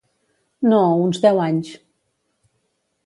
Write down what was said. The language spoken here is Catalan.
No, uns deu anys.